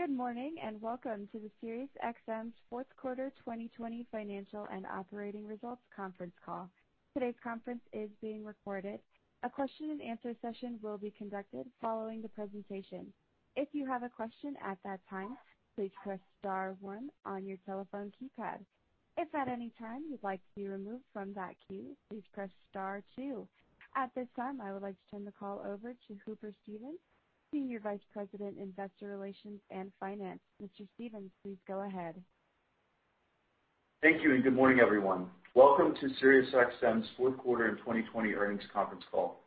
Good morning, welcome to SiriusXM's Fourth Quarter 2020 Financial and Operating Results Conference Call. Today's conference is being recorded. A question and answer session will be conducted following the presentation. If you have a question at that time, please press star one on your telephone keypad. If at any time you'd like to be removed from that queue, please press star two. At this time, I would like to turn the call over to Hooper Stevens, Senior Vice President, Investor Relations and Finance. Mr. Stevens, please go ahead. Thank you. Good morning, everyone. Welcome to SiriusXM's fourth quarter in 2020 earnings conference call.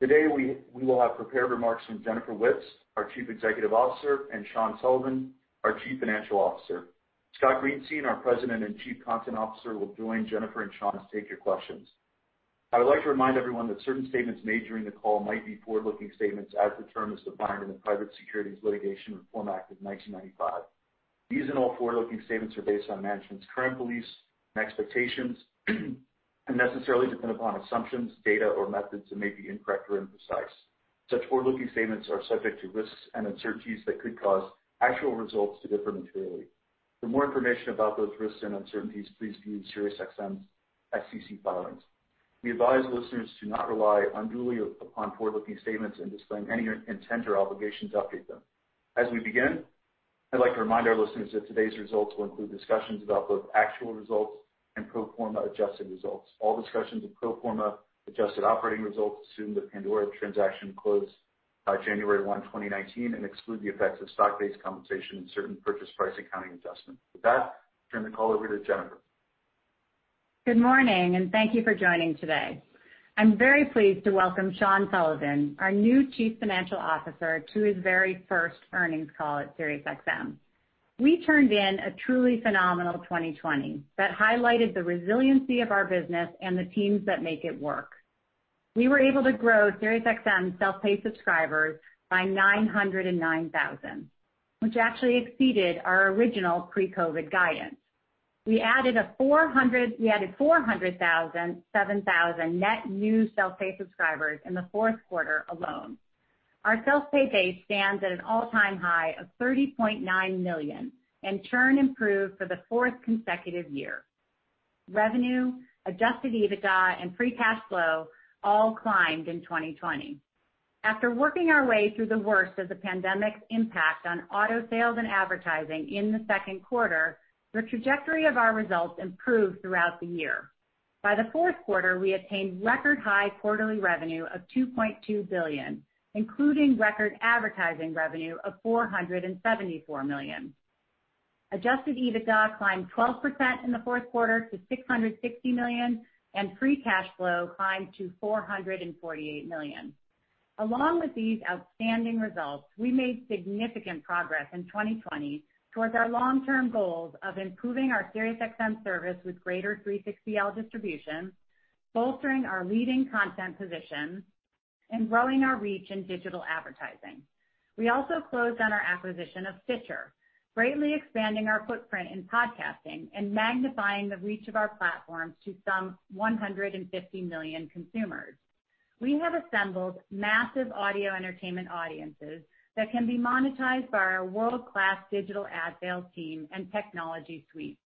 Today we will have prepared remarks from Jennifer Witz, our Chief Executive Officer, and Sean Sullivan, our Chief Financial Officer. Scott Greenstein, our President and Chief Content Officer, will join Jennifer and Sean Sullivan to take your questions. I would like to remind everyone that certain statements made during the call might be forward-looking statements as the term is defined in the Private Securities Litigation Reform Act of 1995. These and all forward-looking statements are based on management's current beliefs and expectations, and necessarily depend upon assumptions, data, or methods that may be incorrect or imprecise. Such forward-looking statements are subject to risks and uncertainties that could cause actual results to differ materially. For more information about those risks and uncertainties, please view SiriusXM's SEC filings. We advise listeners to not rely unduly upon forward-looking statements and disclaim any intent or obligation to update them. As we begin, I'd like to remind our listeners that today's results will include discussions about both actual results and pro forma adjusted results. All discussions of pro forma adjusted operating results assume the Pandora transaction closed by January 1, 2019 and exclude the effects of stock-based compensation and certain purchase price accounting adjustments. With that, turn the call over to Jennifer Witz. Good morning, and thank you for joining today. I'm very pleased to welcome Sean Sullivan, our new chief financial officer, to his very first earnings call at SiriusXM. We turned in a truly phenomenal 2020 that highlighted the resiliency of our business and the teams that make it work. We were able to grow SiriusXM self-pay subscribers by 909,000, which actually exceeded our original pre-COVID guidance. We added 407,000 net new self-pay subscribers in the fourth quarter alone. Our self-pay base stands at an all-time high of 30.9 million, and churn improved for the fourth consecutive year. Revenue, Adjusted EBITDA, and free cash flow all climbed in 2020. After working our way through the worst of the pandemic's impact on auto sales and advertising in the second quarter, the trajectory of our results improved throughout the year. By the fourth quarter, we attained record high quarterly revenue of $2.2 billion, including record advertising revenue of $474 million. Adjusted EBITDA climbed 12% in the fourth quarter to $660 million, and free cash flow climbed to $448 million. Along with these outstanding results, we made significant progress in 2020 towards our long-term goals of improving our SiriusXM service with greater 360L distribution, bolstering our leading content position, and growing our reach in digital advertising. We also closed on our acquisition of Stitcher, greatly expanding our footprint in podcasting and magnifying the reach of our platforms to some 150 million consumers. We have assembled massive audio entertainment audiences that can be monetized by our world-class digital ad sales team and technology suite.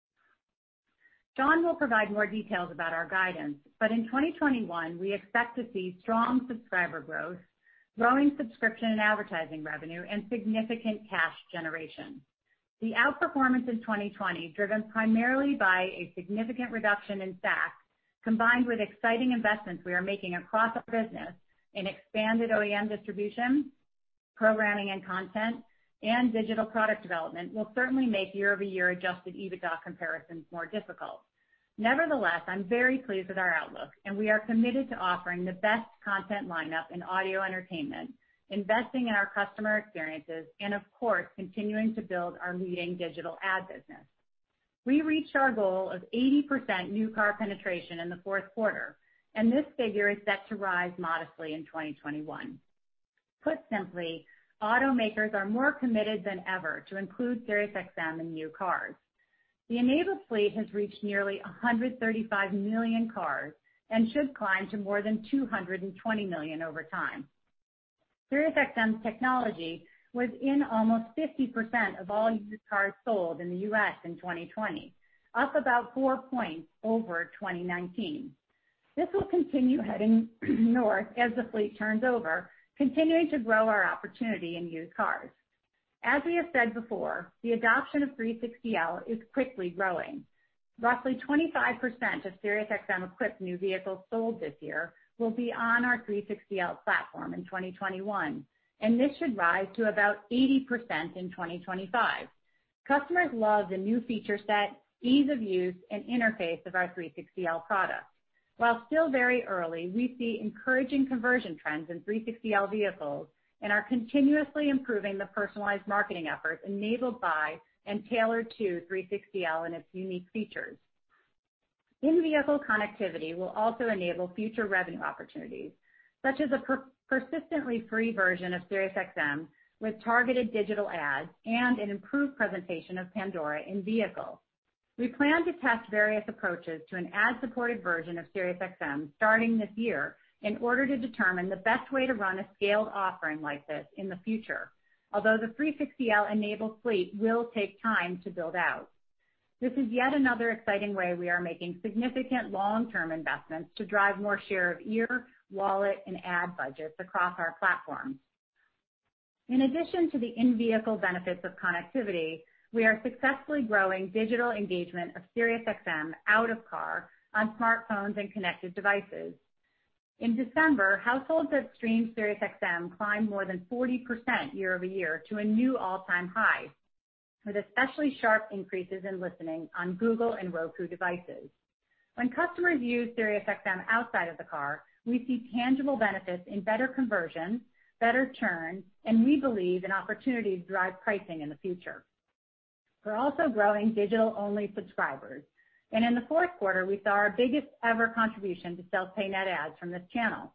Sean Sullivan will provide more details about our guidance. In 2021, we expect to see strong subscriber growth, growing subscription and advertising revenue, and significant cash generation. The outperformance in 2020, driven primarily by a significant reduction in SAC, combined with exciting investments we are making across our business in expanded OEM distribution, programming and content, and digital product development, will certainly make year-over-year Adjusted EBITDA comparisons more difficult. Nevertheless, I'm very pleased with our outlook, and we are committed to offering the best content lineup in audio entertainment, investing in our customer experiences, and of course, continuing to build our leading digital ad business. We reached our goal of 80% new car penetration in the fourth quarter, and this figure is set to rise modestly in 2021. Put simply, automakers are more committed than ever to include SiriusXM in new cars. The enabled fleet has reached nearly 135 million cars and should climb to more than 220 million over time. SiriusXM's technology was in almost 50% of all used cars sold in the U.S. in 2020, up about four points over 2019. This will continue heading north as the fleet turns over, continuing to grow our opportunity in used cars. As we have said before, the adoption of 360L is quickly growing. Roughly 25% of SiriusXM-equipped new vehicles sold this year will be on our 360L platform in 2021, and this should rise to about 80% in 2025. Customers love the new feature set, ease of use, and interface of our 360L product. While still very early, we see encouraging conversion trends in 360L vehicles and are continuously improving the personalized marketing efforts enabled by and tailored to 360L and its unique features. In-vehicle connectivity will also enable future revenue opportunities, such as a persistently free version of SiriusXM with targeted digital ads and an improved presentation of Pandora in-vehicle. We plan to test various approaches to an ad-supported version of SiriusXM starting this year in order to determine the best way to run a scaled offering like this in the future. Although the 360L-enabled fleet will take time to build out, this is yet another exciting way we are making significant long-term investments to drive more share of ear, wallet, and ad budgets across our platforms. In addition to the in-vehicle benefits of connectivity, we are successfully growing digital engagement of SiriusXM out of car on smartphones and connected devices. In December, households that stream SiriusXM climbed more than 40% year-over-year to a new all-time high, with especially sharp increases in listening on Google and Roku devices. When customers use SiriusXM outside of the car, we see tangible benefits in better conversion, better churn, and we believe an opportunity to drive pricing in the future. We're also growing digital-only subscribers, and in the fourth quarter, we saw our biggest ever contribution to self-pay net adds from this channel.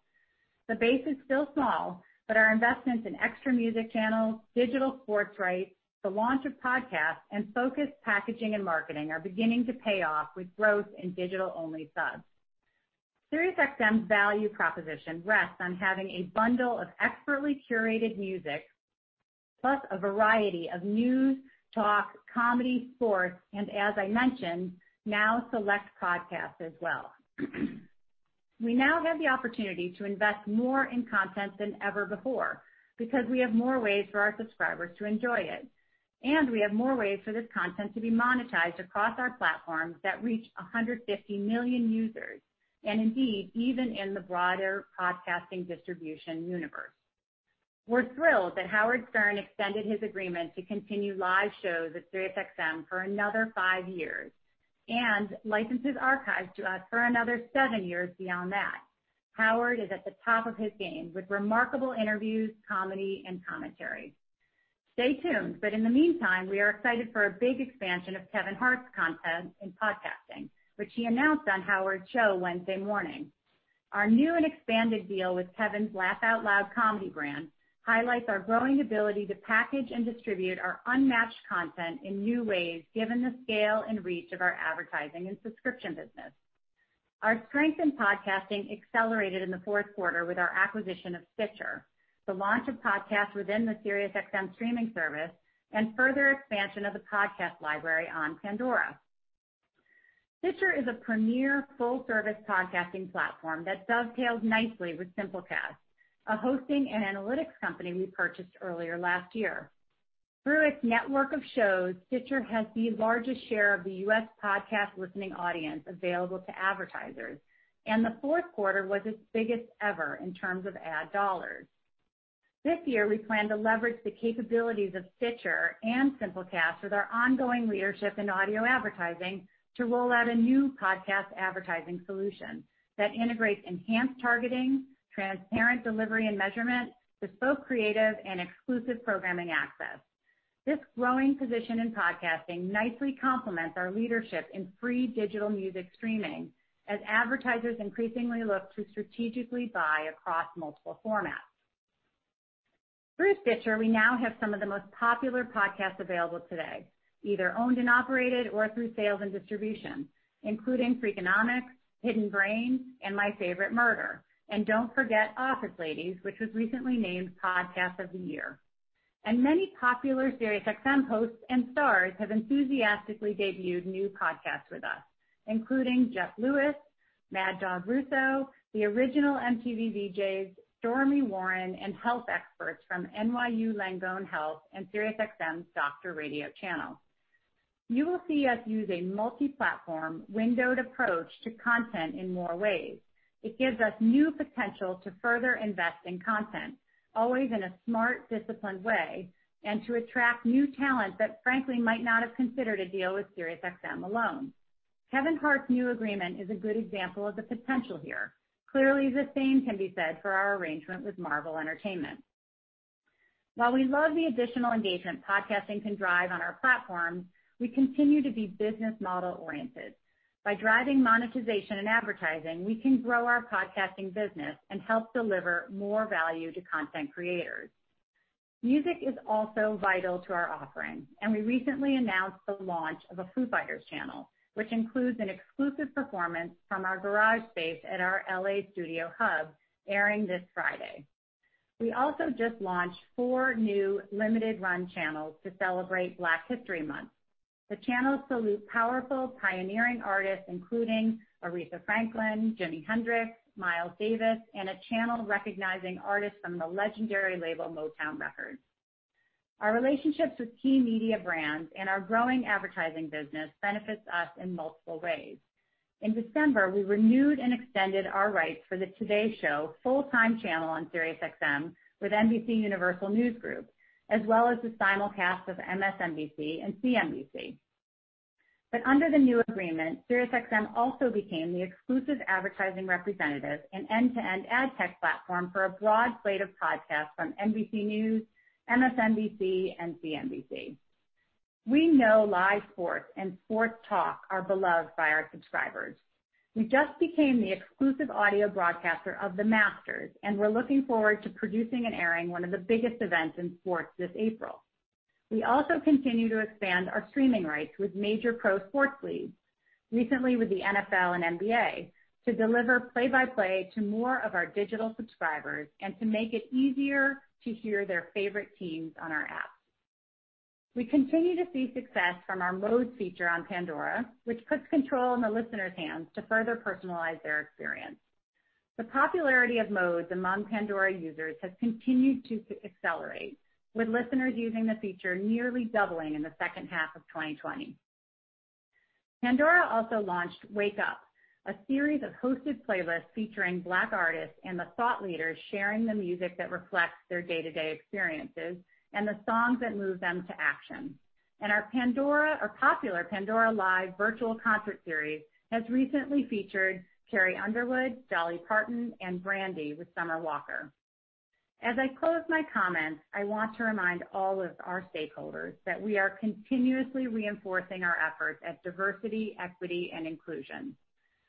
The base is still small, but our investments in extra music channels, digital sports rights, the launch of podcasts, and focused packaging and marketing are beginning to pay off with growth in digital-only subs. SiriusXM's value proposition rests on having a bundle of expertly curated music, plus a variety of news, talk, comedy, sports, and as I mentioned, now select podcasts as well. We now have the opportunity to invest more in content than ever before because we have more ways for our subscribers to enjoy it, and we have more ways for this content to be monetized across our platforms that reach 150 million users. Indeed, even in the broader podcasting distribution universe. We're thrilled that Howard Stern extended his agreement to continue live shows at SiriusXM for another five years and licensed his archives to us for another seven years beyond that. Howard is at the top of his game with remarkable interviews, comedy, and commentary. Stay tuned, but in the meantime, we are excited for a big expansion of Kevin Hart's content in podcasting, which he announced on Howard's show Wednesday morning. Our new and expanded deal with Kevin's Laugh Out Loud comedy brand highlights our growing ability to package and distribute our unmatched content in new ways, given the scale and reach of our advertising and subscription business. Our strength in podcasting accelerated in the fourth quarter with our acquisition of Stitcher, the launch of podcasts within the SiriusXM streaming service, and further expansion of the podcast library on Pandora. Stitcher is a premier full-service podcasting platform that dovetails nicely with Simplecast, a hosting and analytics company we purchased earlier last year. Through its network of shows, Stitcher has the largest share of the U.S. podcast listening audience available to advertisers, and the fourth quarter was its biggest ever in terms of ad dollars. This year, we plan to leverage the capabilities of Stitcher and Simplecast with our ongoing leadership in audio advertising to roll out a new podcast advertising solution that integrates enhanced targeting, transparent delivery and measurement, bespoke creative, and exclusive programming access. This growing position in podcasting nicely complements our leadership in free digital music streaming as advertisers increasingly look to strategically buy across multiple formats. Through Stitcher, we now have some of the most popular podcasts available today, either owned and operated or through sales and distribution, including Freakonomics, Hidden Brain, and My Favorite Murder. Don't forget Office Ladies, which was recently named Podcast of the Year. Many popular SiriusXM hosts and stars have enthusiastically debuted new podcasts with us, including Jeff Lewis, Mad Dog Russo, the original MTV VJs, Storme Warren, and health experts from NYU Langone Health and SiriusXM's Doctor Radio channel. You will see us use a multi-platform, windowed approach to content in more ways. It gives us new potential to further invest in content, always in a smart, disciplined way, and to attract new talent that, frankly, might not have considered a deal with SiriusXM alone. Kevin Hart's new agreement is a good example of the potential here. Clearly, the same can be said for our arrangement with Marvel Entertainment. While we love the additional engagement podcasting can drive on our platform, we continue to be business model oriented. By driving monetization and advertising, we can grow our podcasting business and help deliver more value to content creators. Music is also vital to our offering, and we recently announced the launch of a Foo Fighters channel, which includes an exclusive performance from our garage space at our L.A. studio hub airing this Friday. We also just launched four new limited-run channels to celebrate Black History Month. The channels salute powerful pioneering artists including Aretha Franklin, Jimi Hendrix, Miles Davis, and a channel recognizing artists from the legendary label, Motown Records. Our relationships with key media brands and our growing advertising business benefits us in multiple ways. In December, we renewed and extended our rights for the TODAY Show full-time channel on SiriusXM with NBCUniversal News Group, as well as the simulcast of MSNBC and CNBC. Under the new agreement, SiriusXM also became the exclusive advertising representative and end-to-end ad tech platform for a broad slate of podcasts from NBC News, MSNBC, and CNBC. We know live sports and sports talk are beloved by our subscribers. We just became the exclusive audio broadcaster of the Masters, and we're looking forward to producing and airing one of the biggest events in sports this April. We also continue to expand our streaming rights with major pro sports leagues, recently with the NFL and NBA, to deliver play-by-play to more of our digital subscribers and to make it easier to hear their favorite teams on our app. We continue to see success from our Modes feature on Pandora, which puts control in the listeners' hands to further personalize their experience. The popularity of Modes among Pandora users has continued to accelerate, with listeners using the feature nearly doubling in the second half of 2020. Pandora also launched Wake Up, a series of hosted playlists featuring Black artists and the thought leaders sharing the music that reflects their day-to-day experiences and the songs that move them to action. Our popular Pandora LIVE virtual concert series has recently featured Carrie Underwood, Dolly Parton, and Brandy with Summer Walker. As I close my comments, I want to remind all of our stakeholders that we are continuously reinforcing our efforts at diversity, equity, and inclusion.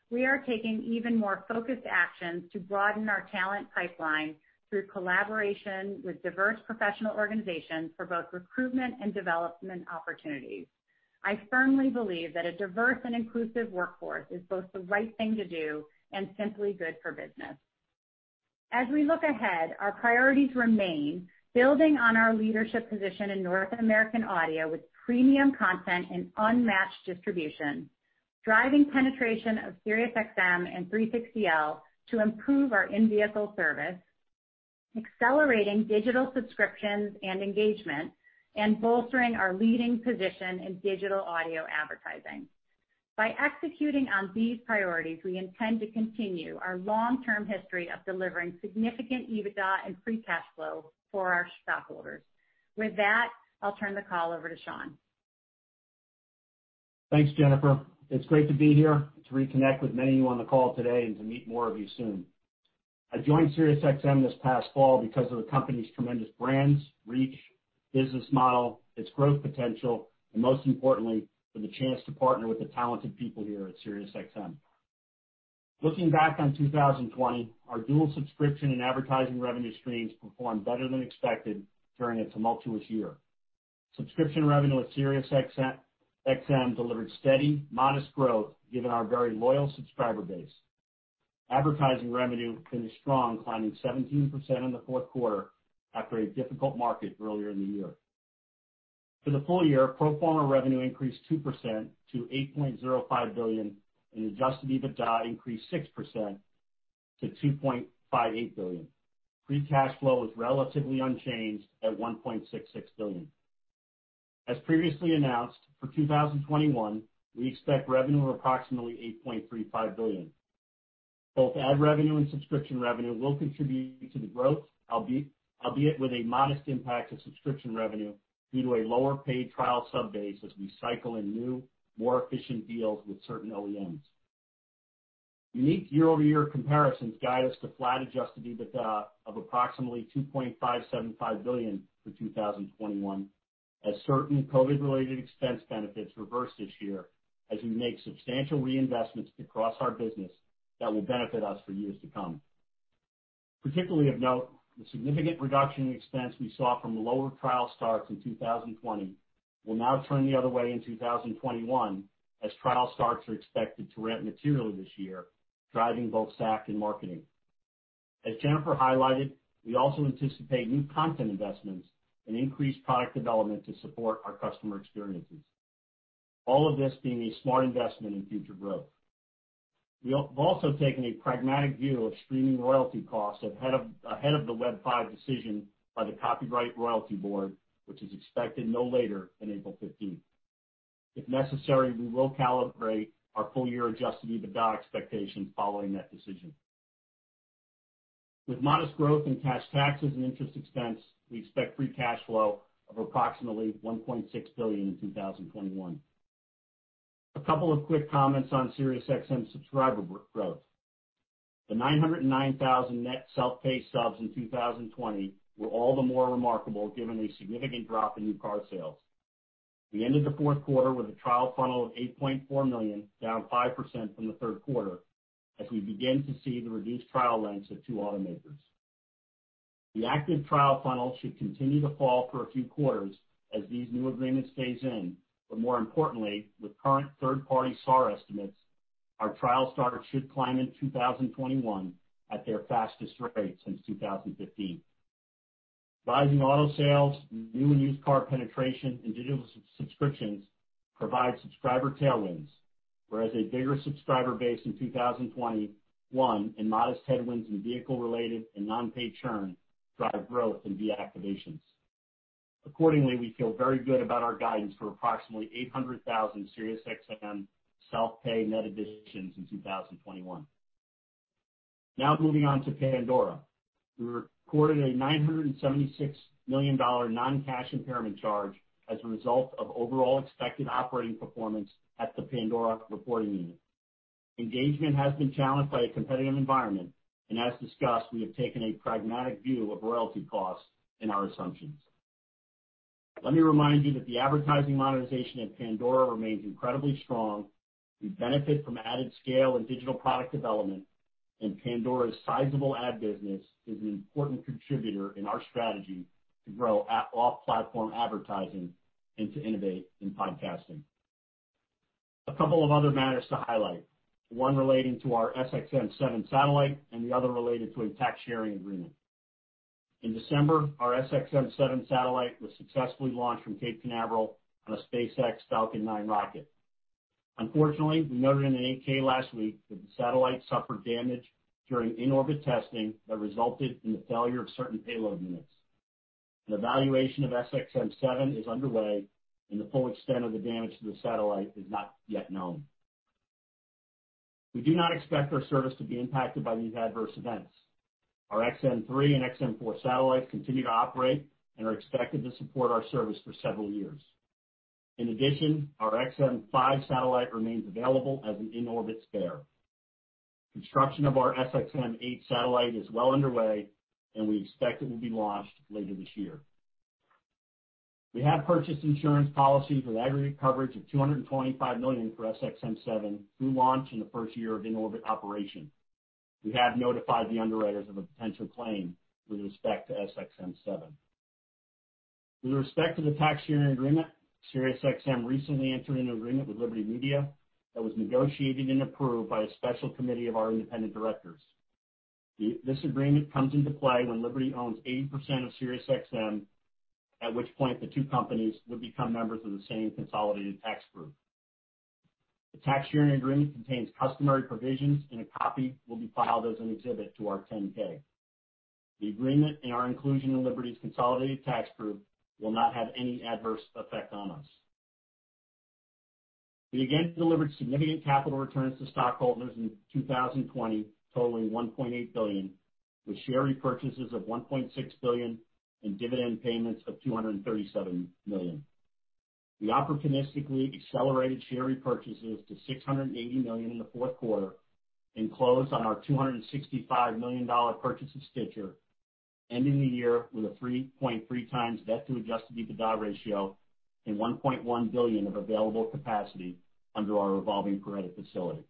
We are taking even more focused actions to broaden our talent pipeline through collaboration with diverse professional organizations for both recruitment and development opportunities. I firmly believe that a diverse and inclusive workforce is both the right thing to do and simply good for business. As we look ahead, our priorities remain building on our leadership position in North American audio with premium content and unmatched distribution, driving penetration of SiriusXM and 360L to improve our in-vehicle service, accelerating digital subscriptions and engagement, and bolstering our leading position in digital audio advertising. By executing on these priorities, we intend to continue our long-term history of delivering significant EBITDA and free cash flow for our stockholders. With that, I'll turn the call over to Sean Sullivan. Thanks, Jennifer. It's great to be here, to reconnect with many of you on the call today and to meet more of you soon. I joined SiriusXM this past fall because of the company's tremendous brands, reach, business model, its growth potential, and most importantly, for the chance to partner with the talented people here at SiriusXM. Looking back on 2020, our dual subscription and advertising revenue streams performed better than expected during a tumultuous year. Subscription revenue at SiriusXM delivered steady, modest growth given our very loyal subscriber base. Advertising revenue finished strong, climbing 17% in the fourth quarter after a difficult market earlier in the year. For the full year, pro forma revenue increased 2% to $8.05 billion and Adjusted EBITDA increased 6% to $2.58 billion. Free cash flow was relatively unchanged at $1.66 billion. As previously announced, for 2021, we expect revenue of approximately $8.35 billion. Both ad revenue and subscription revenue will contribute to the growth, albeit with a modest impact to subscription revenue due to a lower paid trial sub-base as we cycle in new, more efficient deals with certain OEMs. Unique year-over-year comparisons guide us to flat Adjusted EBITDA of approximately $2.575 billion for 2021 as certain COVID-related expense benefits reverse this year as we make substantial reinvestments across our business that will benefit us for years to come. Particularly of note, the significant reduction in expense we saw from lower trial starts in 2020 will now turn the other way in 2021 as trial starts are expected to ramp materially this year, driving both SAC and marketing. As Jennifer Witz highlighted, we also anticipate new content investments and increased product development to support our customer experiences, all of this being a smart investment in future growth. We have also taken a pragmatic view of streaming royalty costs ahead of the Web V decision by the Copyright Royalty Board, which is expected no later than April 15th. If necessary, we will calibrate our full-year Adjusted EBITDA expectations following that decision. With modest growth in cash taxes and interest expense, we expect free cash flow of approximately $1.6 billion in 2021. A couple of quick comments on SiriusXM subscriber growth. The 909,000 net self-pay subs in 2020 were all the more remarkable given a significant drop in new car sales. We ended the fourth quarter with a trial funnel of 8.4 million, down 5% from the third quarter as we begin to see the reduced trial lengths of two automakers. The active trial funnel should continue to fall for a few quarters as these new agreements phase in, more importantly, with current third-party SAAR estimates, our trial starts should climb in 2021 at their fastest rate since 2015. Rising auto sales, new and used car penetration, and digital subscriptions provide subscriber tailwinds, whereas a bigger subscriber base in 2021 and modest headwinds in vehicle-related and non-pay churn drive growth in deactivations. Accordingly, we feel very good about our guidance for approximately 800,000 SiriusXM self-pay net additions in 2021. Now, moving on to Pandora. We recorded a $976 million non-cash impairment charge as a result of overall expected operating performance at the Pandora reporting unit. Engagement has been challenged by a competitive environment. As discussed, we have taken a pragmatic view of royalty costs in our assumptions. Let me remind you that the advertising monetization of Pandora remains incredibly strong. We benefit from added scale in digital product development. Pandora's sizable ad business is an important contributor in our strategy to grow off-platform advertising and to innovate in podcasting. A couple of other matters to highlight, one relating to our SXM-7 satellite and the other related to a tax sharing agreement. In December, our SXM-7 satellite was successfully launched from Cape Canaveral on a SpaceX Falcon 9 rocket. Unfortunately, we noted in an 8-K last week that the satellite suffered damage during in-orbit testing that resulted in the failure of certain payload units. An evaluation of SXM-7 is underway and the full extent of the damage to the satellite is not yet known. We do not expect our service to be impacted by these adverse events. Our XM-3 and XM-4 satellites continue to operate and are expected to support our service for several years. In addition, our XM-5 satellite remains available as an in-orbit spare. Construction of our SXM-8 satellite is well underway, and we expect it will be launched later this year. We have purchased insurance policies with aggregate coverage of $225 million for SXM-7 through launch in the first year of in-orbit operation. We have notified the underwriters of a potential claim with respect to SXM-7. With respect to the tax sharing agreement, SiriusXM recently entered an agreement with Liberty Media that was negotiated and approved by a special committee of our independent directors. This agreement comes into play when Liberty owns 80% of SiriusXM, at which point the two companies would become members of the same consolidated tax group. The tax sharing agreement contains customary provisions, and a copy will be filed as an exhibit to our 10-K. The agreement and our inclusion in Liberty's consolidated tax group will not have any adverse effect on us. We again delivered significant capital returns to stockholders in 2020, totaling $1.8 billion, with share repurchases of $1.6 billion and dividend payments of $237 million. We opportunistically accelerated share repurchases to $680 million in the fourth quarter and closed on our $265 million purchase of Stitcher, ending the year with a 3.3 times debt to Adjusted EBITDA ratio and $1.1 billion of available capacity under our revolving credit facility.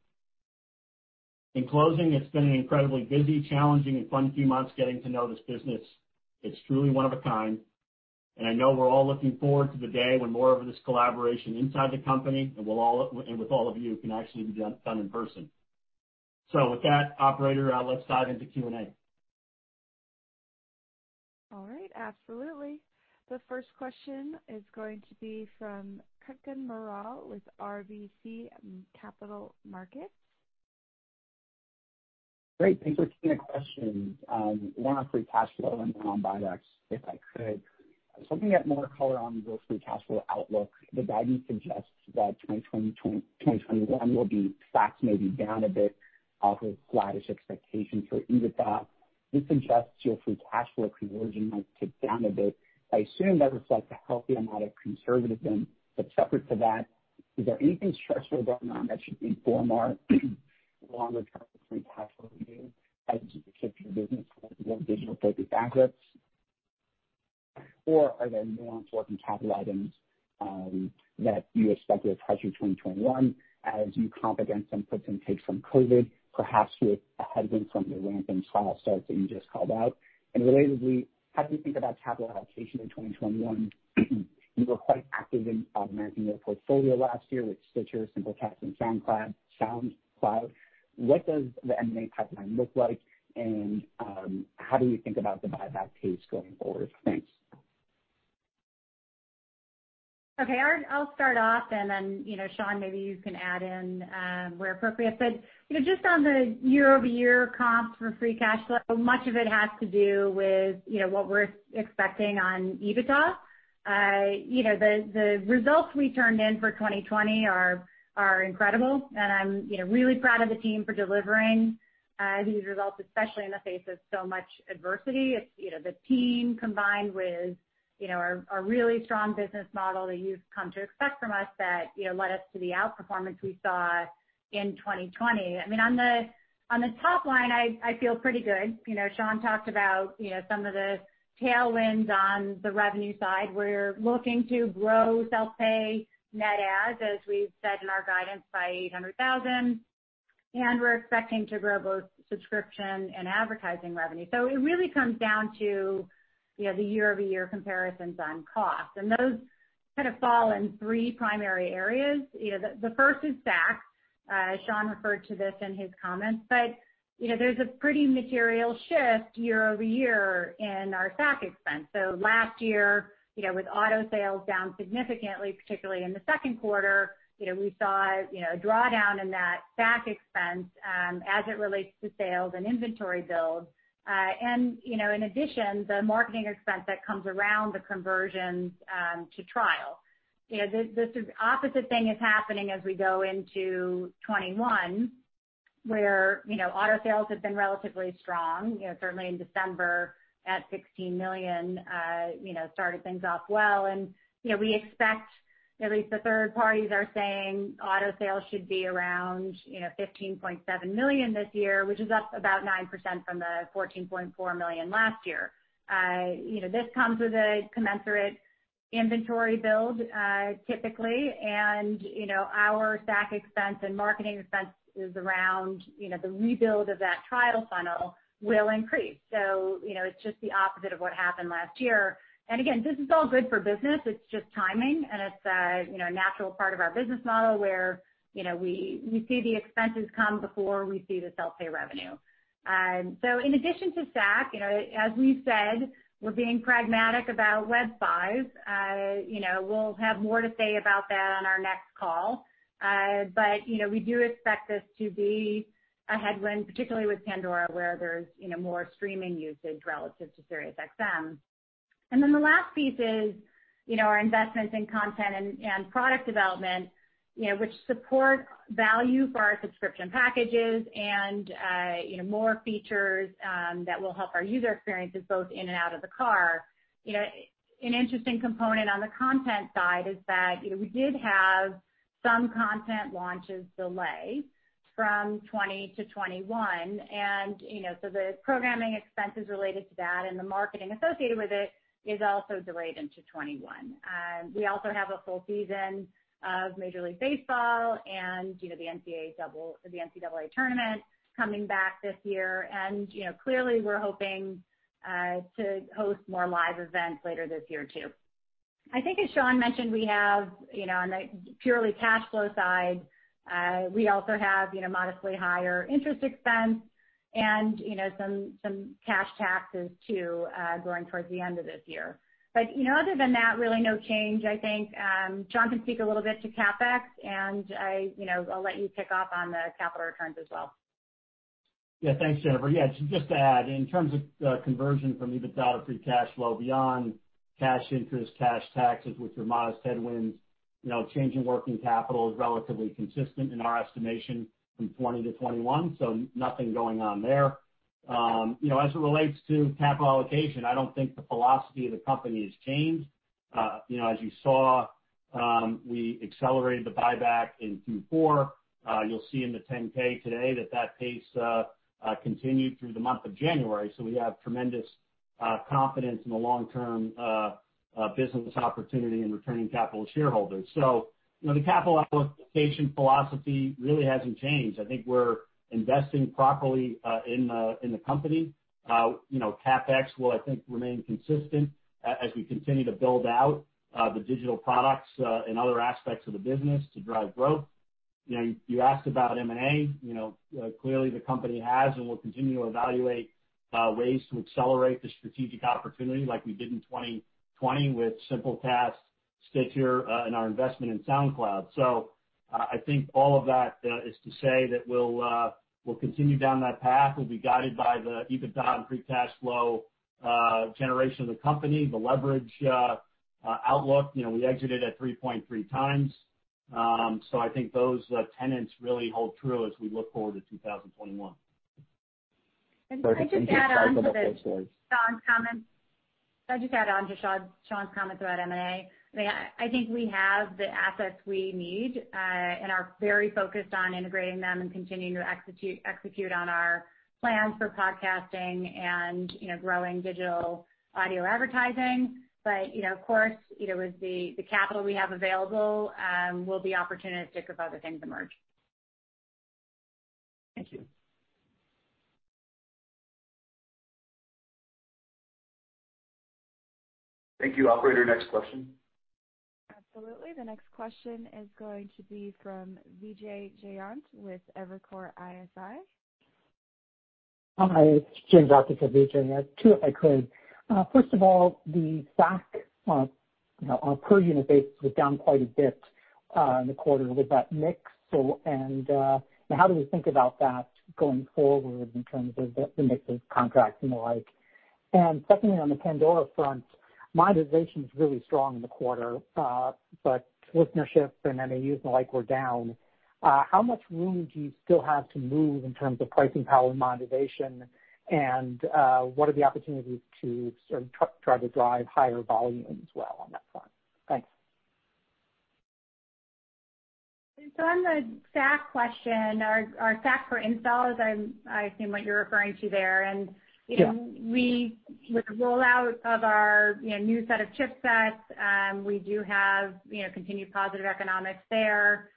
In closing, it's been an incredibly busy, challenging, and fun few months getting to know this business. It's truly one of a kind, and I know we're all looking forward to the day when more of this collaboration inside the company and with all of you can actually be done in person. With that, operator, let's dive into Q&A. All right. Absolutely. The first question is going to be from Kutgun Maral with RBC Capital Markets. Great. Thanks for taking the question. One on free cash flow and one on buybacks, if I could. Something to get more color on your free cash flow outlook, the guidance suggests that 2021 will be SACs maybe down a bit off of flattish expectations for EBITDA. This suggests your free cash flow conversion might tick down a bit. I assume that reflects a healthy amount of conservatism. Separate to that, is there anything structural going on that should inform our longer-term free cash flow view as you shift your business more toward digital-focused assets? Are there nuanced working capital items that you expect will pressure 2021 as you comp against some puts and takes from COVID, perhaps with a headwind from your rampant trial starts that you just called out? Relatedly, how do you think about capital allocation in 2021? You were quite active in managing your portfolio last year with Stitcher, Simplecast, and SoundCloud. What does the M&A pipeline look like, and how do you think about the buyback pace going forward? Thanks. Okay. I'll start off, and then Sean Sullivan, maybe you can add in where appropriate. Just on the year-over-year comps for free cash flow, much of it has to do with what we're expecting on EBITDA. The results we turned in for 2020 are incredible, and I'm really proud of the team for delivering these results, especially in the face of so much adversity. It's the team combined with our really strong business model that you've come to expect from us that led us to the outperformance we saw in 2020. On the top line, I feel pretty good. Sean Sullivan talked about some of the tailwinds on the revenue side. We're looking to grow self-pay net adds, as we've said in our guidance, by 800,000, and we're expecting to grow both subscription and advertising revenue. It really comes down to the year-over-year comparisons on costs. Those kind of fall in three primary areas. The first is SAC. Sean Sullivan referred to this in his comments, there's a pretty material shift year-over-year in our SAC expense. Last year, with auto sales down significantly, particularly in the second quarter, we saw a drawdown in that SAC expense as it relates to sales and inventory builds. In addition, the marketing expense that comes around the conversions to trial. The opposite thing is happening as we go into 2021, where auto sales have been relatively strong. Certainly in December, at 16 million, started things off well. At least the third parties are saying auto sales should be around 15.7 million this year, which is up about 9% from the 14.4 million last year. This comes with a commensurate inventory build, typically, and our SAC expense and marketing expense is around the rebuild of that trial funnel will increase. It's just the opposite of what happened last year. Again, this is all good for business. It's just timing. It's a natural part of our business model where we see the expenses come before we see the self-pay revenue. In addition to SAC, as we've said, we're being pragmatic about Web V. We'll have more to say about that on our next call. We do expect this to be a headwind, particularly with Pandora, where there's more streaming usage relative to SiriusXM. The last piece is our investments in content and product development, which support value for our subscription packages and more features that will help our user experiences both in and out of the car. An interesting component on the content side is that we did have some content launches delay from 2020 to 2021, and so the programming expenses related to that and the marketing associated with it is also delayed into 2021. We also have a full season of Major League Baseball and the NCAA tournament coming back this year. Clearly, we're hoping to host more live events later this year, too. I think as Sean Sullivan mentioned, on the purely cash flow side, we also have modestly higher interest expense and some cash taxes too going towards the end of this year. Other than that, really no change, I think. Sean Sullivan can speak a little bit to CapEx, and I'll let you pick up on the capital returns as well. Yeah. Thanks, Jennifer Witz. Yeah, just to add, in terms of conversion from EBITDA free cash flow beyond cash interest, cash taxes, which are modest headwinds. Change in working capital is relatively consistent in our estimation from 2020 to 2021, so nothing going on there. As it relates to capital allocation, I don't think the philosophy of the company has changed. As you saw, we accelerated the buyback in Q4. You'll see in the 10-K today that pace continued through the month of January. We have tremendous confidence in the long-term business opportunity in returning capital to shareholders. The capital allocation philosophy really hasn't changed. I think we're investing properly in the company. CapEx will, I think, remain consistent as we continue to build out the digital products and other aspects of the business to drive growth. You asked about M&A. Clearly the company has and will continue to evaluate ways to accelerate the strategic opportunity like we did in 2020 with Simplecast, Stitcher, and our investment in SoundCloud. I think all of that is to say that we'll continue down that path. We'll be guided by the EBITDA and free cash flow generation of the company, the leverage outlook. We exited at 3.3 times. I think those tenets really hold true as we look forward to 2021. Can I just add on to Sean Sullivan's comments? I'll just add on to Sean Sullivan's comments about M&A. I think we have the assets we need and are very focused on integrating them and continuing to execute on our plans for podcasting and growing digital audio advertising. Of course, with the capital we have available, we'll be opportunistic if other things emerge. Thank you. Thank you. Operator, next question. Absolutely. The next question is going to be from Vijay Jayant with Evercore ISI. Hi, it's James, office of Vijay Jayant. Two, if I could. First of all, the SAC on a per unit basis was down quite a bit in the quarter with that mix sold, and how do we think about that going forward in terms of the mix of contracts and the like? Secondly, on the Pandora front, monetization's really strong in the quarter, but listenership and MAUs, and the like were down. How much room do you still have to move in terms of pricing power monetization, and what are the opportunities to sort of try to drive higher volume as well on that front? Thanks. On the SAC question, our SAC per install is I assume what you're referring to there. Yeah With the rollout of our new set of chipsets, we do have continued positive economics there.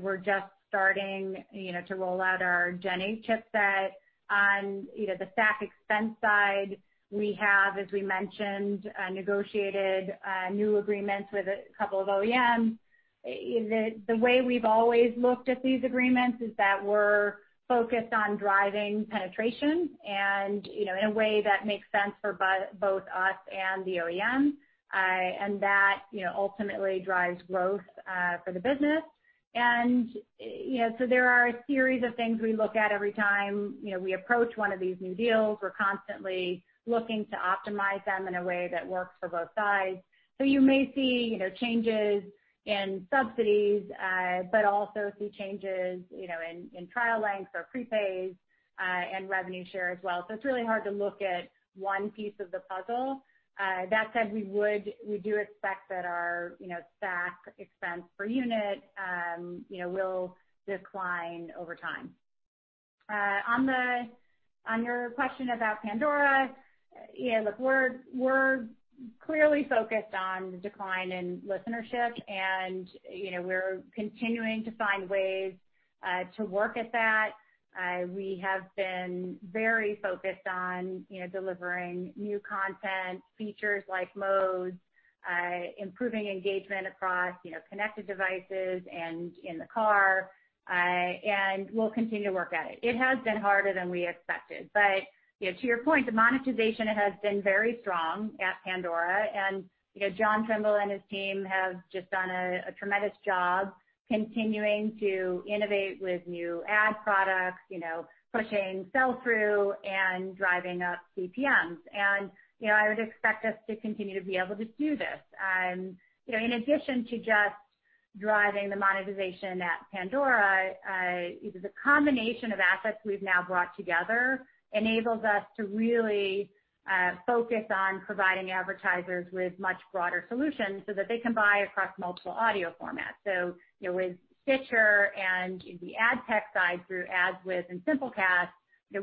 We're just starting to roll out our Gen8 chipset. On the SAC expense side, we have, as we mentioned, negotiated new agreements with a couple of OEMs. The way we've always looked at these agreements is that we're focused on driving penetration and in a way that makes sense for both us and the OEM, and that ultimately drives growth for the business. There are a series of things we look at every time we approach one of these new deals. We're constantly looking to optimize them in a way that works for both sides. You may see changes in subsidies, but also see changes in trial lengths or prepaids, and revenue share as well. It's really hard to look at one piece of the puzzle. That said, we do expect that our SAC expense per unit will decline over time. On your question about Pandora, look, we're clearly focused on the decline in listenership and we're continuing to find ways to work at that. We have been very focused on delivering new content, features like modes, improving engagement across connected devices and in the car, and we'll continue to work at it. It has been harder than we expected. To your point, the monetization has been very strong at Pandora. John Trimble and his team have just done a tremendous job continuing to innovate with new ad products, pushing sell-through and driving up CPMs. I would expect us to continue to be able to do this. In addition to just driving the monetization at Pandora, the combination of assets we've now brought together enables us to really focus on providing advertisers with much broader solutions so that they can buy across multiple audio formats. With Stitcher and the ad tech side, through AdsWizz and Simplecast,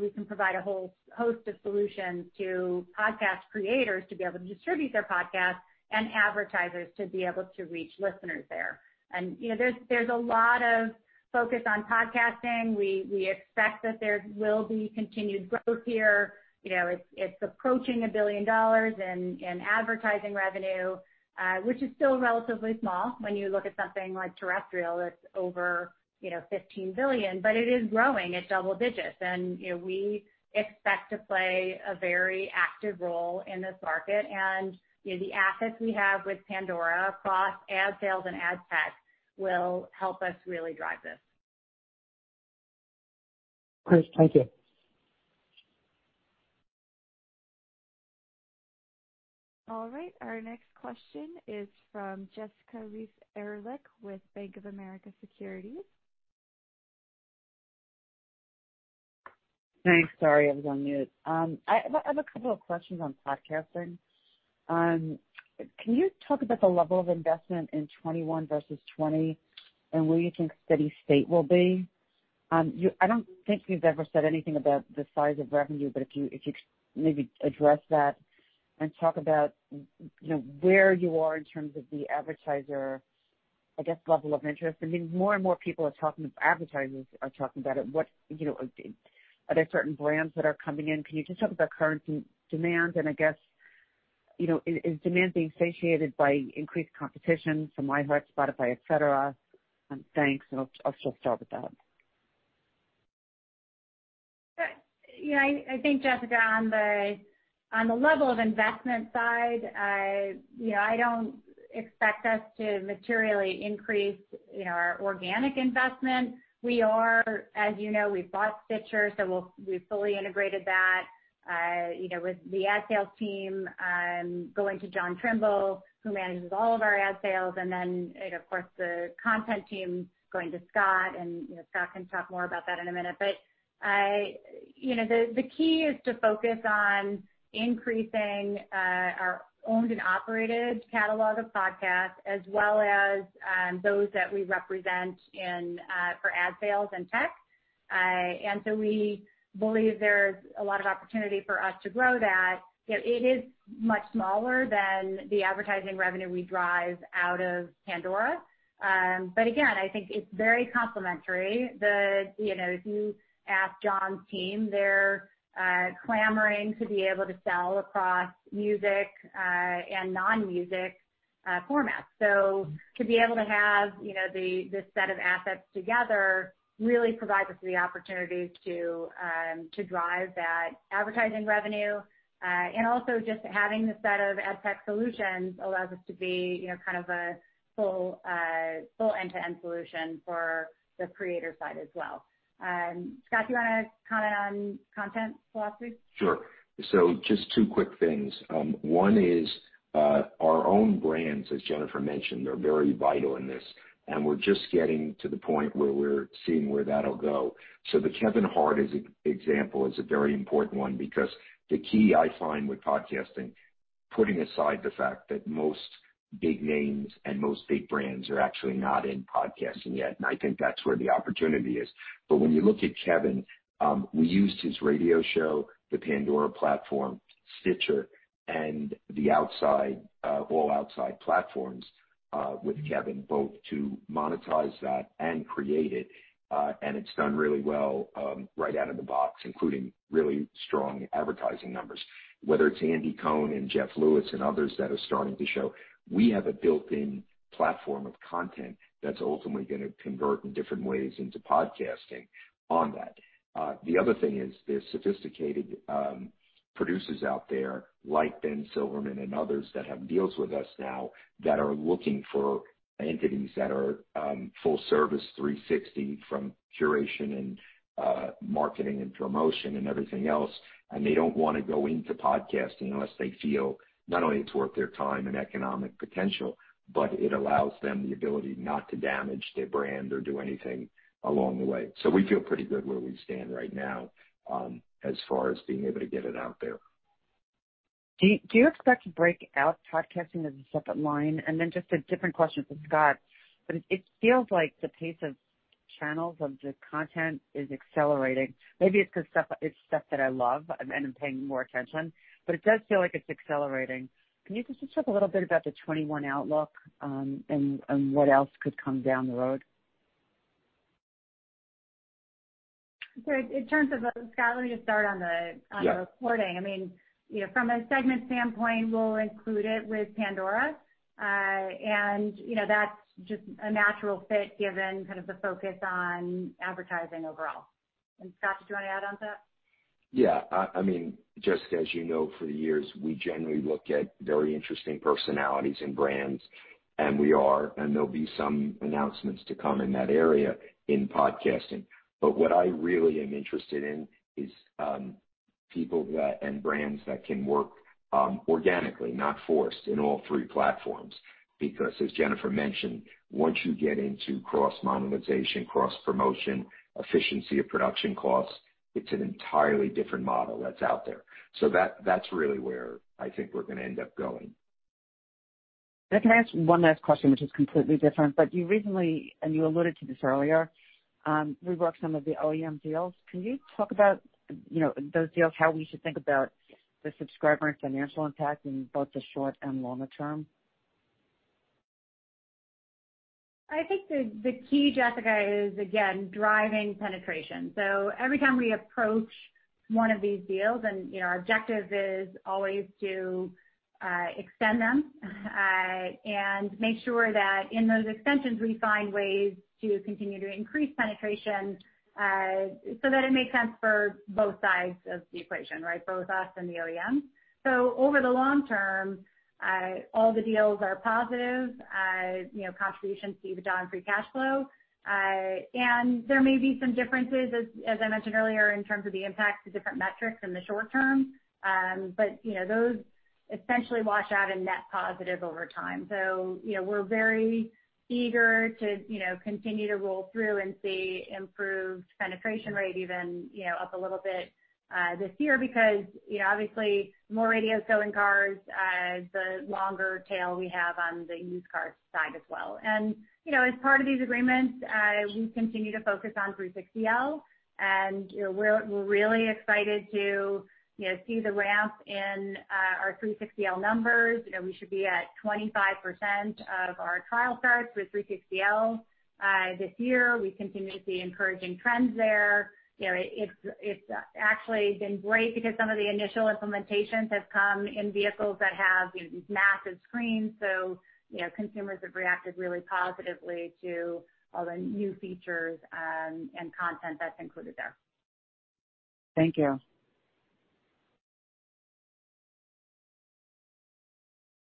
we can provide a whole host of solutions to podcast creators to be able to distribute their podcasts and advertisers to be able to reach listeners there. There's a lot of focus on podcasting. We expect that there will be continued growth here. It's approaching $1 billion in advertising revenue, which is still relatively small when you look at something like terrestrial that's over $15 billion, but it is growing at double digits. We expect to play a very active role in this market. The assets we have with Pandora across ad sales and ad tech will help us really drive this. [inaudible] thank you. All right, our next question is from Jessica Reif Ehrlich with Bank of America Securities. Thanks. Sorry, I was on mute. I have a couple of questions on podcasting. Can you talk about the level of investment in 2021 versus 2020 and where you think steady state will be? I don't think you've ever said anything about the size of revenue, but if you maybe address that and talk about where you are in terms of the advertiser, I guess, level of interest. I think more and more people are talking, advertisers are talking about it. Are there certain brands that are coming in? Can you just talk about current demand and I guess, is demand being satiated by increased competition from iHeart, Spotify, et cetera? Thanks. I'll just start with that. I think, Jessica Reif Ehrlich, on the level of investment side, I don't expect us to materially increase our organic investment. We are, as you know, we've bought Stitcher, so we've fully integrated that with the ad sales team, going to John Trimble, who manages all of our ad sales, and then, of course, the content team going to Scott, and Scott Greenstein can talk more about that in a minute. The key is to focus on increasing our owned and operated catalog of podcasts, as well as those that we represent for ad sales and tech. We believe there's a lot of opportunity for us to grow that. It is much smaller than the advertising revenue we drive out of Pandora. Again, I think it's very complementary. If you ask John's team, they're clamoring to be able to sell across music and non-music formats. To be able to have this set of assets together really provides us the opportunity to drive that advertising revenue. Also just having the set of adtech solutions allows us to be kind of a full end-to-end solution for the creator side as well. Scott, do you want to comment on content philosophy? Sure. Just two quick things. One is our own brands, as Jennifer Witz mentioned, are very vital in this, and we're just getting to the point where we're seeing where that'll go. The Kevin Hart example is a very important one because the key I find with podcasting, putting aside the fact that most big names and most big brands are actually not in podcasting yet, and I think that's where the opportunity is. When you look at Kevin, we used his radio show, the Pandora platform, Stitcher, and the outside, all outside platforms, with Kevin both to monetize that and create it. It's done really well right out of the box, including really strong advertising numbers. Whether it's Andy Cohen and Jeff Lewis and others that are starting to show, we have a built-in platform of content that's ultimately going to convert in different ways into podcasting on that. The other thing is there's sophisticated producers out there like Ben Silverman and others that have deals with us now that are looking for entities that are full service 360 from curation and marketing and promotion and everything else. They don't want to go into podcasting unless they feel not only it's worth their time and economic potential, but it allows them the ability not to damage their brand or do anything along the way. We feel pretty good where we stand right now as far as being able to get it out there. Do you expect to break out podcasting as a separate line? Just a different question for Scott, it feels like the pace of channels of the content is accelerating. Maybe it's stuff that I love and I'm paying more attention, but it does feel like it's accelerating. Can you just talk a little bit about the 2021 outlook, and what else could come down the road? In terms of Scott Greenstein, let me just start on the. Yeah reporting. From a segment standpoint, we'll include it with Pandora. That's just a natural fit given kind of the focus on advertising overall. Scott, did you want to add on to that? Yeah. Just as you know for the years, we generally look at very interesting personalities and brands, and we are, and there'll be some announcements to come in that area in podcasting. What I really am interested in is people that, and brands that can work organically, not forced, in all three platforms. As Jennifer Witz mentioned, once you get into cross monetization, cross promotion, efficiency of production costs, it's an entirely different model that's out there. That's really where I think we're going to end up going. Can I ask one last question, which is completely different? You recently, and you alluded to this earlier, reworked some of the OEM deals. Can you talk about those deals, how we should think about the subscriber and financial impact in both the short and longer term? I think the key, Jessica Reif Ehrlich, is again, driving penetration. Every time we approach one of these deals and our objective is always to extend them, and make sure that in those extensions, we find ways to continue to increase penetration, so that it makes sense for both sides of the equation, right? Both us and the OEM. Over the long term, all the deals are positive, contribution to EBITDA and free cash flow. There may be some differences as I mentioned earlier, in terms of the impact to different metrics in the short term, but those essentially wash out in net positive over time. We're very eager to continue to roll through and see improved penetration rate even up a little bit, this year because, obviously more radios go in cars, the longer tail we have on the used cars side as well. As part of these agreements, we continue to focus on 360L and we're really excited to see the ramp in our 360L numbers. We should be at 25% of our trial starts with 360L this year. We continue to see encouraging trends there. It's actually been great because some of the initial implementations have come in vehicles that have these massive screens. Consumers have reacted really positively to all the new features, and content that's included there. Thank you.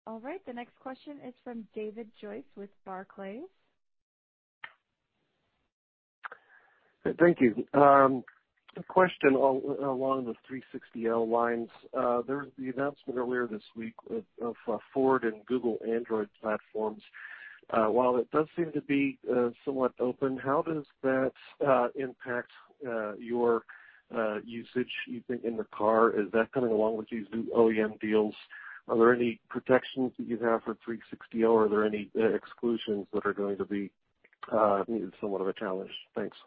All right. The next question is from David Joyce with Barclays. Thank you. A question along the 360L lines. There's the announcement earlier this week of Ford and Google Android platforms. While it does seem to be somewhat open, how does that impact your usage, you think, in the car? Is that coming along with these new OEM deals? Are there any protections that you have for 360L, or are there any exclusions that are going to be somewhat of a challenge? Thanks.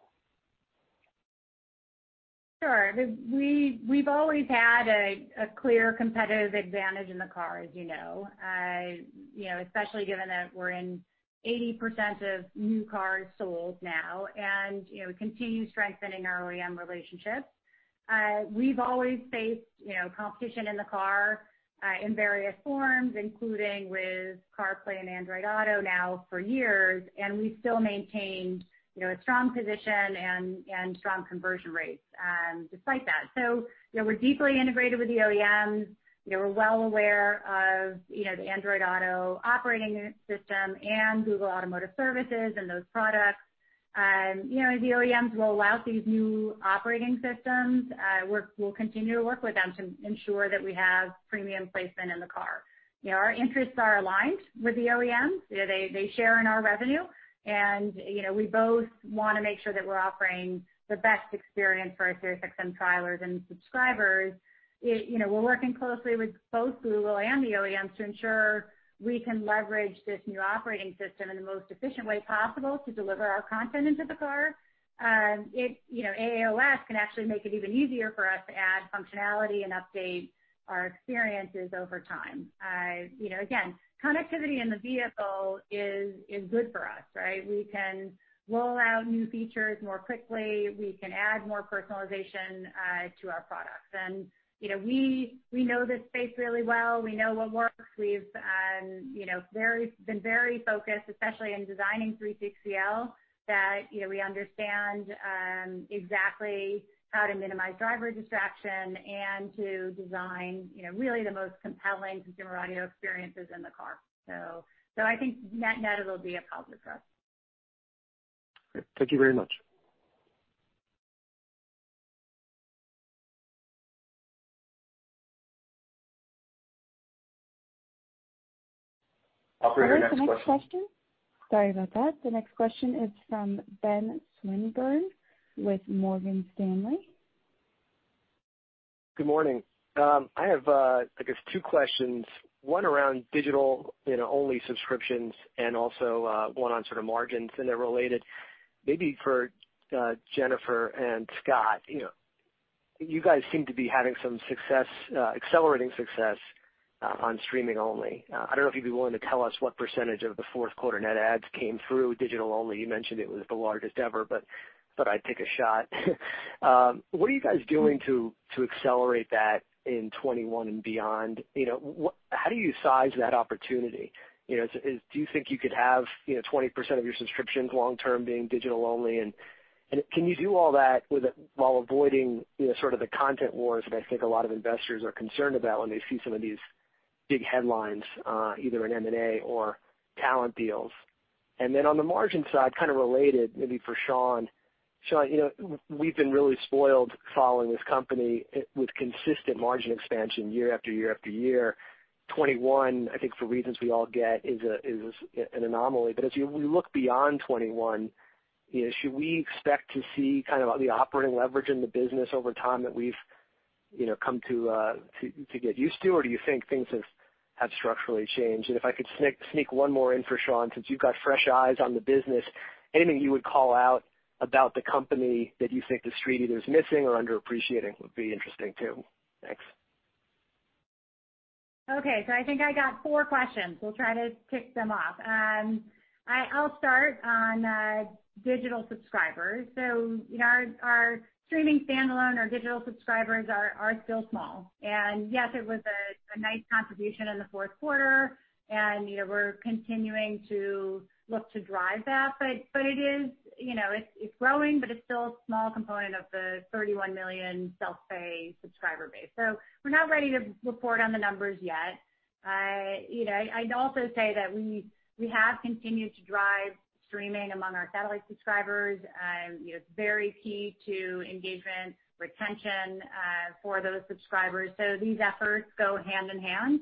Sure. We've always had a clear competitive advantage in the car, as you know. Especially given that we're in 80% of new cars sold now and we continue strengthening our OEM relationships. We've always faced competition in the car, in various forms, including with CarPlay and Android Auto now for years. We still maintained a strong position and strong conversion rates despite that. We're deeply integrated with the OEMs. We're well aware of the Android Auto operating system and Google Automotive Services and those products. As the OEMs roll out these new operating systems, we'll continue to work with them to ensure that we have premium placement in the car. Our interests are aligned with the OEMs. They share in our revenue and we both want to make sure that we're offering the best experience for our SiriusXM trialers and subscribers. We're working closely with both Google and the OEMs to ensure we can leverage this new operating system in the most efficient way possible to deliver our content into the car. AOS can actually make it even easier for us to add functionality and update our experiences over time. Again, connectivity in the vehicle is good for us, right? We can roll out new features more quickly. We can add more personalization to our products. We know this space really well. We know what works. We've been very focused, especially on designing 360L that we understand exactly how to minimize driver distraction and to design really the most compelling consumer audio experiences in the car. I think net-net it'll be a positive for us. Great. Thank you very much. Operator, next question. Sorry about that. The next question is from Ben Swinburne with Morgan Stanley. Good morning. I have, I guess two questions, one around digital-only subscriptions and also one on sort of margins, and they're related. Maybe for Jennifer Witz and Scott. You guys seem to be having some success, accelerating success on streaming only. I don't know if you'd be willing to tell us what percentage of the fourth quarter net adds came through digital only. You mentioned it was the largest ever, but I'd take a shot. What are you guys doing to accelerate that in 2021 and beyond? How do you size that opportunity? Do you think you could have 20% of your subscriptions long-term being digital only, and can you do all that while avoiding sort of the content wars that I think a lot of investors are concerned about when they see some of these big headlines, either in M&A or talent deals? Then, on the margin side, kind of related, maybe for Sean Sullivan. Sean Sullivan, we've been really spoiled following this company with consistent margin expansion year after year after year. 2021, I think for reasons we all get, is an anomaly. As we look beyond 2021, should we expect to see kind of the operating leverage in the business over time that we've come to get used to, or do you think things have structurally changed? If I could sneak one more in for Sean Sullivan, since you've got fresh eyes on the business, anything you would call out about the company that you think the Street either is missing or underappreciating would be interesting, too. Thanks. Okay. I think I got four questions. We'll try to tick them off. I'll start on digital subscribers. Our streaming standalone, our digital subscribers are still small. Yes, it was a nice contribution in the fourth quarter and we're continuing to look to drive that. It's growing, but it's still a small component of the 31 million self-pay subscriber base. We're not ready to report on the numbers yet. I'd also say that we have continued to drive streaming among our satellite subscribers. It's very key to engagement, retention for those subscribers. These efforts go hand-in-hand.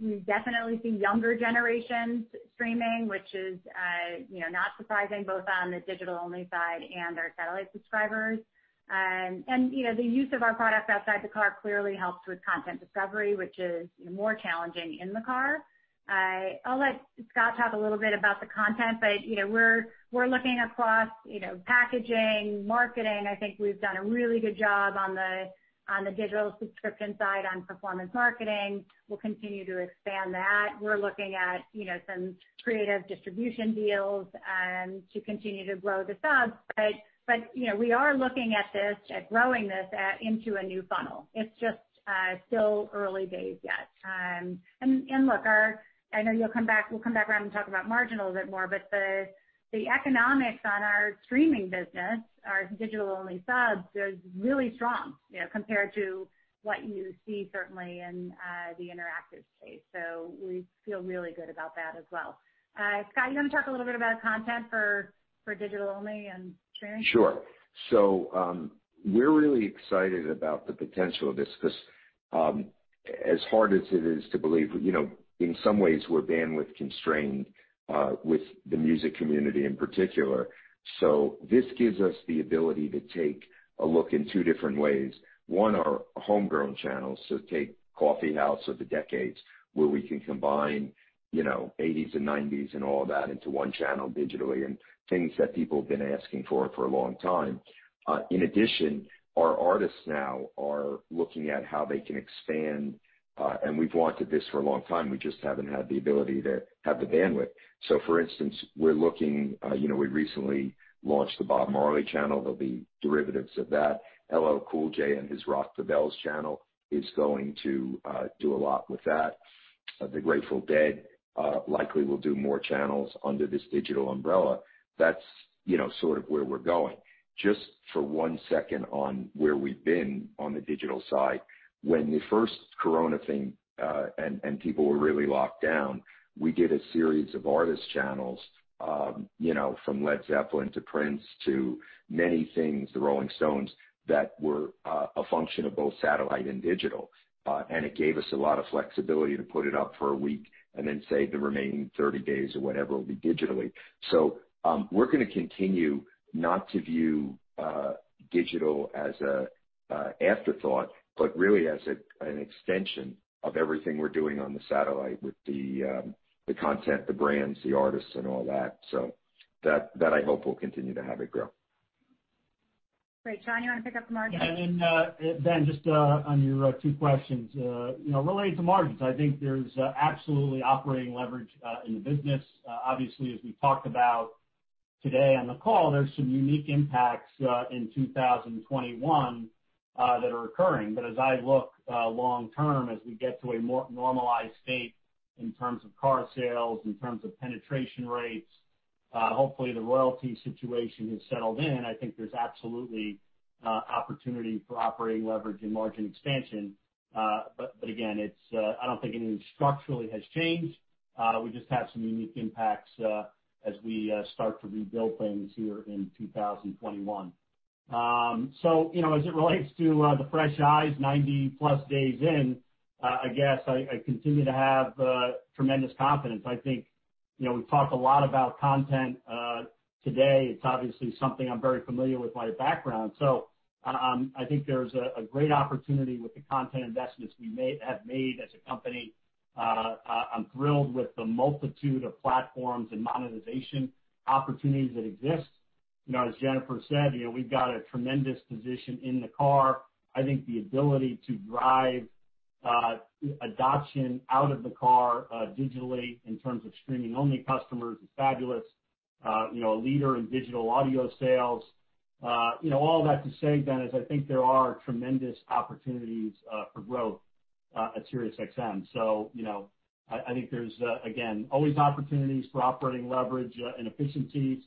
You definitely see younger generations streaming, which is not surprising, both on the digital-only side and our satellite subscribers. The use of our products outside the car clearly helps with content discovery, which is more challenging in the car. I'll let Scott Greenstein talk a little bit about the content, but we're looking across packaging, marketing. I think we've done a really good job on the digital subscription side on performance marketing. We'll continue to expand that. We're looking at some creative distribution deals to continue to grow the subs. We are looking at growing this into a new funnel. It's just still early days yet. Look, I know we'll come back around and talk about margin a little bit more, but the economics on our streaming business, our digital-only subs, is really strong compared to what you see certainly in the interactive space. We feel really good about that as well. Scott, you want to talk a little bit about content for digital only and streaming? Sure. We're really excited about the potential of this because as hard as it is to believe, in some ways we're bandwidth-constrained with the music community in particular. This gives us the ability to take a look in two different ways. One, our homegrown channels. Take Coffeehouse of the Decades where we can combine '80s and '90s and all that into one channel digitally and things that people have been asking for a long time. In addition, our artists now are looking at how they can expand, and we've wanted this for a long time, we just haven't had the ability to have the bandwidth. For instance, we recently launched the Bob Marley channel. There'll be derivatives of that. LL Cool J and his Rock the Bells channel is going to do a lot with that. The Grateful Dead likely will do more channels under this digital umbrella. That's sort of where we're going. Just for one second on where we've been on the digital side. When the first Corona thing and people were really locked down, we did a series of artist channels from Led Zeppelin to Prince to many things, The Rolling Stones, that were a function of both satellite and digital. It gave us a lot of flexibility to put it up for a week and then say the remaining 30 days or whatever will be digitally. We're going to continue not to view digital as an afterthought, but really as an extension of everything we're doing on the satellite with the content, the brands, the artists and all that. That, I hope, will continue to have it grow. Great. Sean Sullivan, you want to pick up the margin? Yeah. Ben Swinburne, just on your two questions. Related to margins, I think there's absolutely operating leverage in the business. Obviously, as we talked about today on the call, there's some unique impacts in 2021 that are occurring. As I look long term, as we get to a more normalized state in terms of car sales, in terms of penetration rates, hopefully the royalty situation has settled in. I think there's absolutely opportunity for operating leverage and margin expansion. Again, I don't think anything structurally has changed. We just have some unique impacts as we start to rebuild things here in 2021. As it relates to the fresh eyes, 90+ days in, I guess I continue to have tremendous confidence. I think we've talked a lot about content today. It's obviously something I'm very familiar with my background. I think there's a great opportunity with the content investments we have made as a company. I'm thrilled with the multitude of platforms and monetization opportunities that exist. As Jennifer Witz said, we've got a tremendous position in the car. I think the ability to drive adoption out of the car digitally in terms of streaming-only customers is fabulous. A leader in digital audio sales. All that to say, Ben Swinburne, is I think there are tremendous opportunities for growth at SiriusXM. I think there's, again, always opportunities for operating leverage and efficiencies.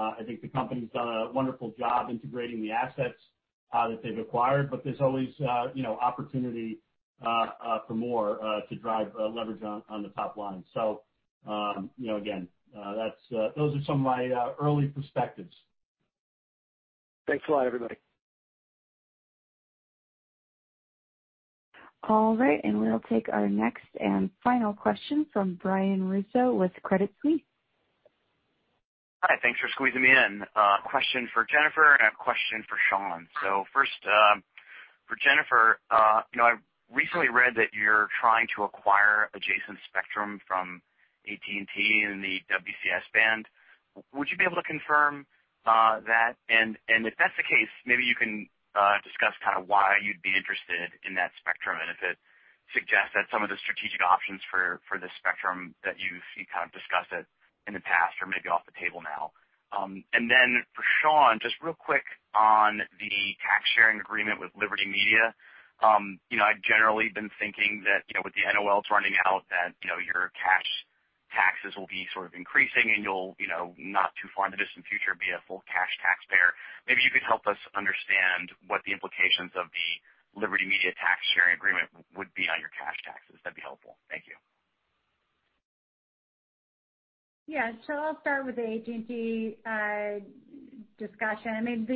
I think the company's done a wonderful job integrating the assets that they've acquired, but there's always opportunity for more to drive leverage on the top line. Again, those are some of my early perspectives. Thanks a lot, everybody. All right. We'll take our next and final question from Brian Russo with Credit Suisse. Hi. Thanks for squeezing me in. A question for Jennifer Witz and a question for Sean Sullivan. First, for Jennifer Witz, I recently read that you're trying to acquire adjacent spectrum from AT&T in the WCS band. Would you be able to confirm that? If that's the case, maybe you can discuss kind of why you'd be interested in that spectrum and if it suggests that some of the strategic options for the spectrum that you've kind of discussed in the past are maybe off the table now. For Sean Sullivan, just real quick on the tax sharing agreement with Liberty Media. I've generally been thinking that with the NOLs running out, that your cash taxes will be sort of increasing and you'll, not too far in the distant future, be a full cash taxpayer. Maybe you could help us understand what the implications of the Liberty Media tax sharing agreement would be on your cash taxes. That'd be helpful. Thank you. I'll start with the AT&T discussion. I mean,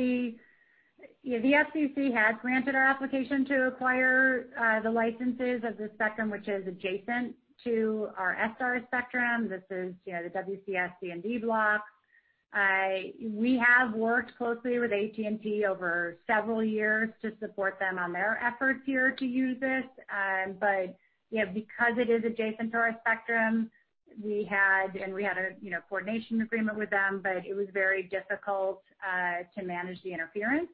the FCC has granted our application to acquire the licenses of the spectrum which is adjacent to our SDARS spectrum. This is the WCS C and D blocks. We have worked closely with AT&T over several years to support them on their efforts here to use this. Because it is adjacent to our spectrum, and we had a coordination agreement with them, but it was very difficult to manage the interference.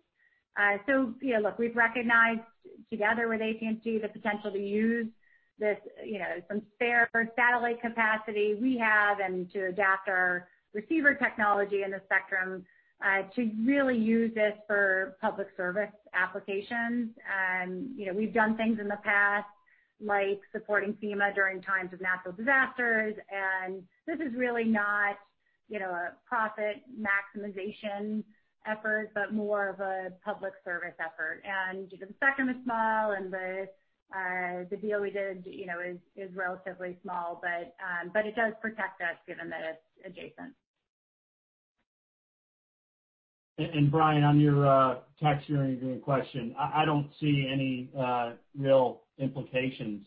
Look, we've recognized together with AT&T the potential to use some spare satellite capacity we have and to adapt our receiver technology in the spectrum to really use this for public service applications. We've done things in the past like supporting FEMA during times of natural disasters, and this is really not a profit maximization effort, but more of a public service effort. The spectrum is small and the deal we did is relatively small, but it does protect us given that it's adjacent. Brian Russo, on your tax sharing agreement question, I don't see any real implications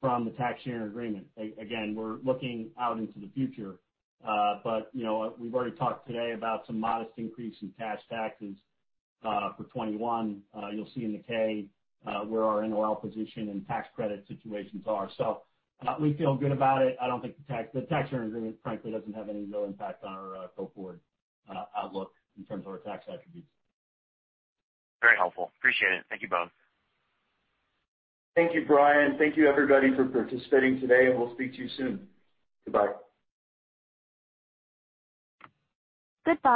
from the tax sharing agreement. Again, we're looking out into the future. We've already talked today about some modest increase in cash taxes for 2021. You'll see in the 10-K where our NOL position and tax credit situations are. We feel good about it. I don't think the tax sharing agreement, frankly, doesn't have any real impact on our go forward outlook in terms of our tax attributes. Very helpful. Appreciate it. Thank you both. Thank you, Brian Russo. Thank you everybody for participating today, and we'll speak to you soon. Goodbye. Goodbye